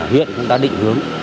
hiện chúng ta định hướng